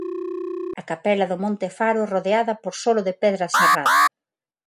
A capela do Monte Faro rodeada por solo de pedra serrada.